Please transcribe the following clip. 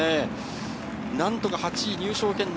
なんとか８位、入賞圏内。